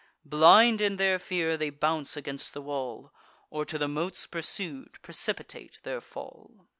Blind in their fear, they bounce against the wall, Or, to the moats pursued, precipitate their fall.